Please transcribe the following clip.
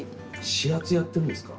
指圧やってるんですか？